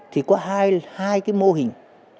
thì có hai cái mô hình